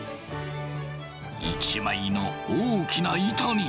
一枚の大きな板に。